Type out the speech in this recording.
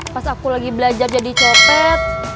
pas aku lagi belajar jadi copet